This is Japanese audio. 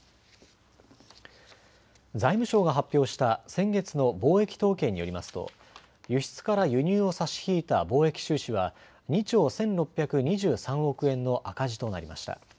財務省が発表した先月の貿易統計によりますと、輸出から輸入を差し引いた貿易収支は２兆１６２３億円の赤字となりました。